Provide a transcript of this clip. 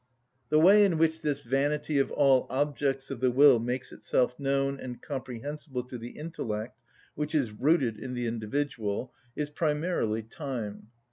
The way in which this vanity of all objects of the will makes itself known and comprehensible to the intellect which is rooted in the individual, is primarily time.